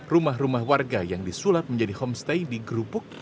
rumah rumah warga yang disulap menjadi homestay di gerupuk